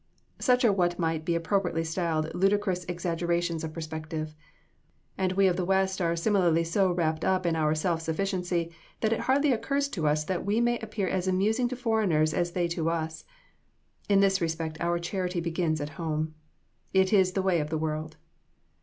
Such are what might be appropriately styled ludicrous exaggerations of perspective. And we of the west are similarly so wrapped up in our self sufficiency that it hardly occurs to us that we may appear as amusing to foreigners as they to us. In this respect our charity begins at home. It is the way of the world.